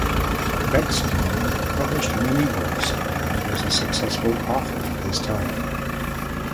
Bechstein published many works and was a successful author of his time.